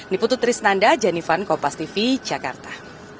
niputut trisnanda janifan kompastv jakarta